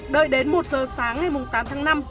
đợi đến một h sáng ngày tám tháng năm